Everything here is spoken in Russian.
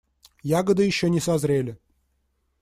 Ягоды еще не созрели.